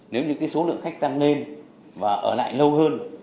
nếu như số lượng khách tăng lên và ở lại lâu hơn